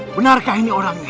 menarka ini orangnya